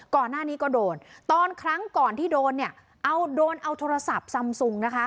ก่อนหน้านี้ก็โดนตอนครั้งก่อนที่โดนเนี่ยเอาโดนเอาโทรศัพท์ซำซุงนะคะ